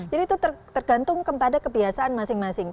jadi itu tergantung kepada kebiasaan masing masing